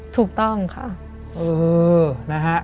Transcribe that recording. ถูกต้องค่ะ